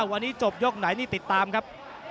วันนี้จบยกไหนนี่ติดตามครับ